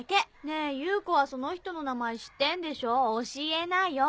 ねぇ夕子はその人の名前知ってんでしょ教えなよ。